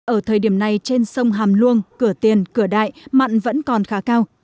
ở thời điểm này trên sông hàm luông cửa tiền cửa đại mặn vẫn còn khá cao